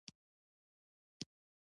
شاهنامې اساس انوشېروان عادل کښېښود.